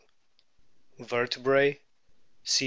Vertebrae: C.